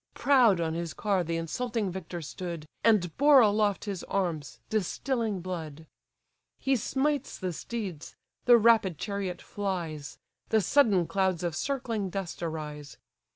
Proud on his car the insulting victor stood, And bore aloft his arms, distilling blood. He smites the steeds; the rapid chariot flies; The sudden clouds of circling dust arise.